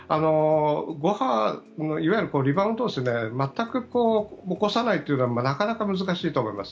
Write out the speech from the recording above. ５波、いわゆるリバウンドを全く起こさないというのはなかなか難しいと思います。